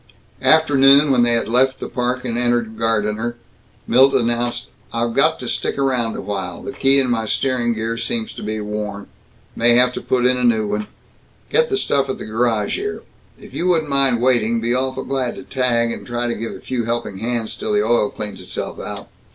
After noon, when they had left the Park and entered Gardiner, Milt announced, "I've got to stick around a while. The key in my steering gear seems to be worn. May have to put in a new one. Get the stuff at a garage here. If you wouldn't mind waiting, be awful glad to tag, and try to give a few helping hands till the oil cleans itself out."